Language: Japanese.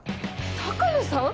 鷹野さん！？